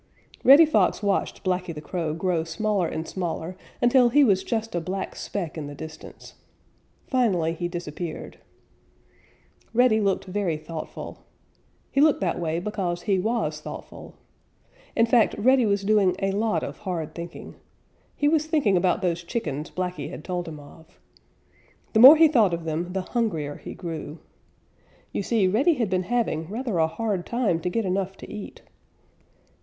_ Reddy Fox watched Blacky the Crow grow smaller and smaller until he was just a black speck in the distance. Finally he disappeared. Reddy looked very thoughtful. He looked that way because he was thoughtful. In fact, Reddy was doing a lot of hard thinking. He was thinking about those chickens Blacky had told him of. The more he thought of them, the hungrier he grew. You see, Reddy had been having rather a hard time to get enough to eat.